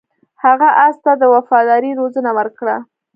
هغه اس ته د وفادارۍ روزنه ورکړه.